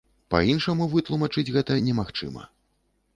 Па-іншаму вытлумачыць гэта немагчыма.